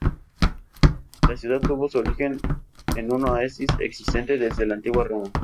La ciudad tuvo su origen en un oasis existente desde la antigua Roma.